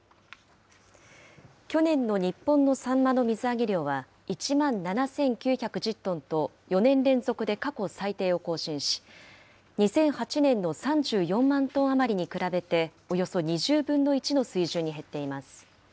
去年の日本のサンマの水揚げ量は１万７９１０トンと４年連続で過去最低を更新し、２００８年の３４万トン余りに比べて、およそ２０分の１の水準に減っています。